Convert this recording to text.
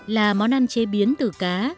là món ăn chế biến từ cá